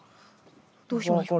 どうしましょう？